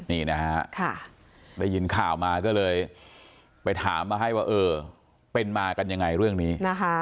นี่นะฮะได้ยินข่าวมาก็เลยไปถามมาให้ว่าเออเป็นมากันยังไงเรื่องนี้